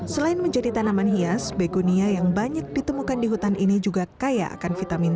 selain menjadi tanaman hias begonia yang banyak ditemukan di hutan ini juga kaya akan vitamin